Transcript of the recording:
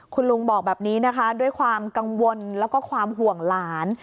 คุณลุงบอกแบบนี้นะคะด้วยความกังวลแล้วก็ความห่วงหลาน